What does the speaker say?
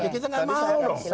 kita nggak mau dong